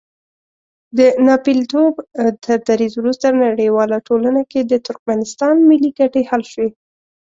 د ناپېیلتوب تر دریځ وروسته نړیواله ټولنه کې د ترکمنستان ملي ګټې حل شوې.